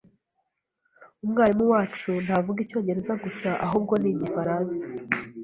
Umwarimu wacu ntavuga icyongereza gusa, ahubwo ni igifaransa.